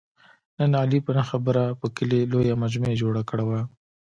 نن علي په نه خبره په کلي لویه مجمع جوړه کړې وه.